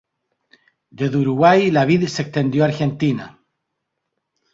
Desde Uruguay la vid se extendió a Argentina.